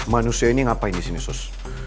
manusia ini ngapain disini sus